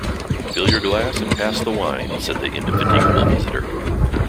‘Fill your glass, and pass the wine,’ said the indefatigable visitor.